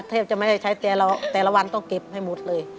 แทบจะไม่ได้ใช้แต่ละวันต้องเก็บให้หมดเลย